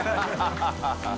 ハハハ